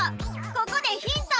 ここでヒント！